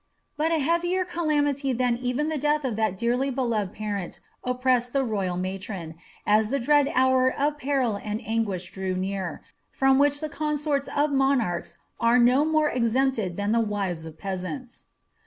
But a heavier calamity than even the death of that dearly beloved parent oppressed the royal matron, as the dreaded hour of peril and anguish drew near, from which the consorts of monarcht are no more exempted than the wives of peasants.